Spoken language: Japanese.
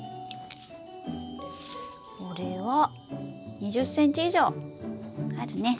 これは２０ｃｍ以上あるね。